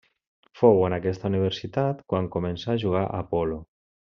Fou en aquesta universitat quan començà a jugar a polo.